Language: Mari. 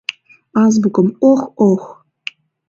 — Азбукым, ох, ох!